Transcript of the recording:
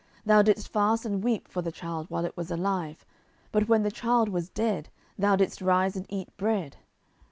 thou didst fast and weep for the child, while it was alive; but when the child was dead, thou didst rise and eat bread.